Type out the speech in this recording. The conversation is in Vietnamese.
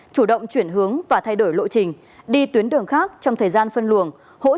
chủ động chuyển hướng và thay đổi lộ trình đi tuyến đường khác trong thời gian phân luồng